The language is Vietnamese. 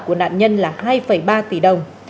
của nạn nhân là hai ba tỷ đồng